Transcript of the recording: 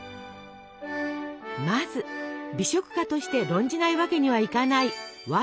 まず美食家として論じないわけにはいかないワインの項目。